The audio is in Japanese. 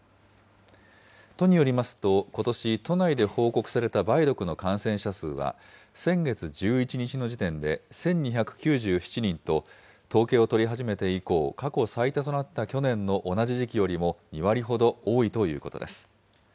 都によりますと、ことし、都内で報告された梅毒の感染者数は、先月１１日の時点で１２９７人と、統計を取り始めて以降、過去最多となった去年の同じ時期よりも２割ほど多いということです。